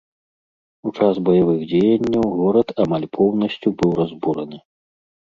У час баявых дзеянняў горад амаль поўнасцю быў разбураны.